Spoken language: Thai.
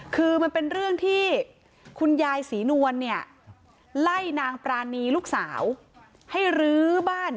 คือมันเป็นเรื่องที่คุณยายศรีนวลเนี่ยไล่นางปรานีลูกสาวให้รื้อบ้าน